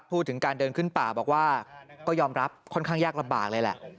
พูดถึงการเดินขึ้นป่าบอกว่าก็ยอมรับค่อนข้างยากลำบากเลยแหละ